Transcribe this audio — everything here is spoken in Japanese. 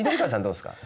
どうですか？